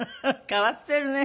変わってるね。